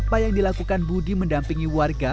apa yang dilakukan budi mendampingi warga